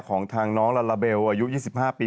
ของทางน้องลาลาเบลอายุ๒๕ปี